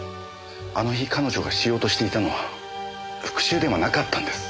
あの日彼女がしようとしていたのは復讐ではなかったんです。